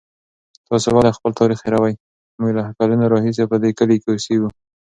تاسې ولې خپل تاریخ هېروئ؟ موږ له کلونو راهیسې په دې کلي کې اوسېږو.